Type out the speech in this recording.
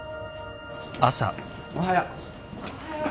おはよう。